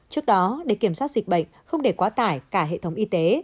trước đó để kiểm soát dịch bệnh không để quá tải cả hệ thống y tế